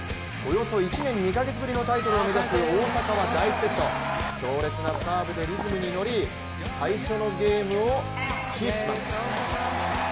およそ１年２カ月ぶりのタイトルを目指す大坂は第１セット、強烈なサーブでリズムに乗り最初のゲームを制します。